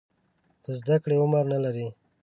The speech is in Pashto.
د زده کړې عمر نه لري.